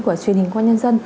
của truyền hình quán nhân sách